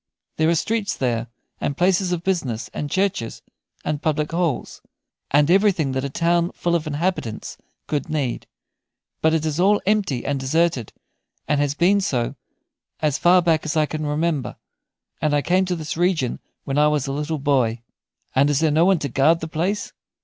There are streets there, and places of business, and churches, and public halls, and everything that a town full of inhabitants could need; but it is all empty and deserted, and has been so as far back as I can remember, and I came to this region when I was a little boy." "And is there no one to guard the place?"